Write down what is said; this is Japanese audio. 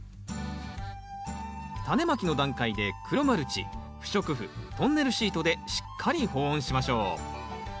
タネまきの段階で黒マルチ不織布トンネルシートでしっかり保温しましょう。